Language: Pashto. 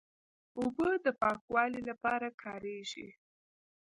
اوبه د پاکوالي لپاره کارېږي.